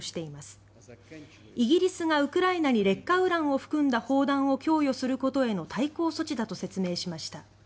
昨夏にイギリスがウクライナに劣化ウランを含んだ砲弾を供与することへの対抗措置だと説明しました。